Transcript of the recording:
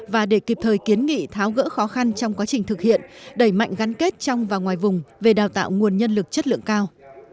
và để kịp thời kiến nghị tháo gỡ khó khăn trong quá trình thực hiện đẩy mạnh gắn kết trong và ngoài vùng về đào tạo nguồn nhân lực chất lượng cao